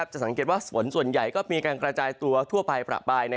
จะสังเกตว่าฝนส่วนใหญ่ก็มีการกระจายตัวทั่วไปประปาย